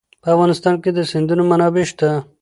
په افغانستان کې د سیندونه منابع شته.